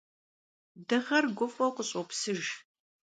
Дыгъэр гуфӀэу къыщӀопсыж.